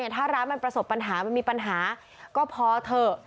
ถ้าร้านมันประสบปัญหามันมีปัญหาก็พอเถอะ